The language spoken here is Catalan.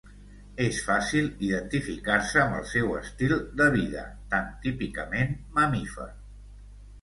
És fàcil identificar-se amb el seu estil de vida, tan típicament mamífer.